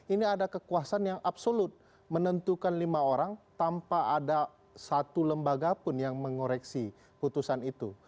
ini ada kekuasaan yang absolut menentukan lima orang tanpa ada satu lembaga pun yang mengoreksi putusan itu